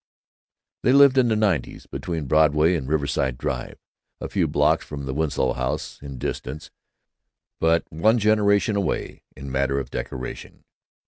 They lived in the Nineties, between Broadway and Riverside Drive; a few blocks from the Winslow house in distance, but one generation away in the matter of decoration.